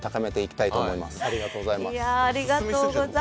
ありがとうございます。